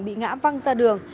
bị ngã văng ra đường